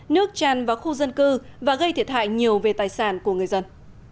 nước tràn vào khu dân cư và gây thiệt hại nhiều về tài sản của người dân